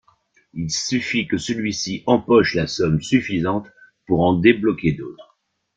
Il suffit que celui-ci empoche la somme suffisante pour en débloquer d'autres.